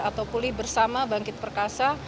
atau pulih bersama bangkit perkasa